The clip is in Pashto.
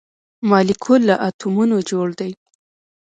مالیکول له اتومونو جوړ دی